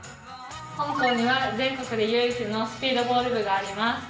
本校には全国で唯一のスピードボール部があります。